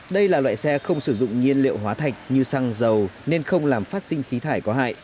đây là loại xe không sử dụng nhiên liệu hóa thạch như xăng dầu nên không làm phát sinh khí thải có hại